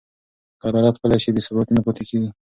که عدالت پلی شي، بې ثباتي نه پاتې کېږي.